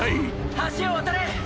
橋を渡れ！！